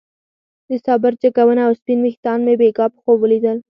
د صابر جګه ونه او سپين ويښتان مې بېګاه په خوب ليدل.